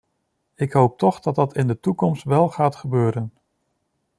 Ik hoop toch dat dat in de toekomst wel gaat gebeuren.